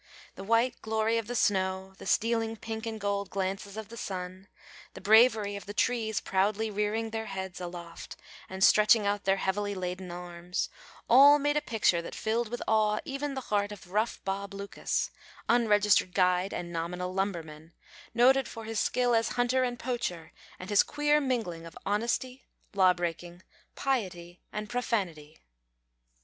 The white glory of the snow, the stealing pink and gold glances of the sun, the bravery of the trees proudly rearing their heads aloft and stretching out their heavily laden arms, all made a picture that filled with awe even the heart of rough Bob Lucas, unregistered guide and nominal lumberman, noted for his skill as hunter and poacher and his queer mingling of honesty, law breaking, piety, and profanity.